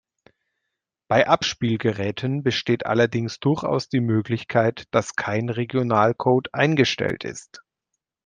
Bei Abspielgeräten besteht allerdings durchaus die Möglichkeit, dass kein Regionalcode eingestellt ist.